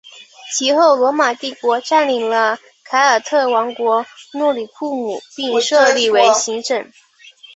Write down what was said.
其后罗马帝国占领了凯尔特王国诺里库姆并设立为行省。